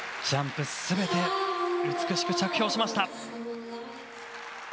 ジャンプ全て美しく着氷しました。